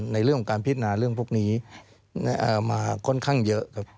ในเรื่องของการพิจารณาเรื่องพวกนี้มาค่อนข้างเยอะครับ